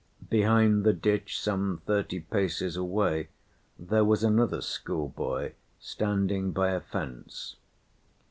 Behind the ditch some thirty paces away, there was another schoolboy standing by a fence.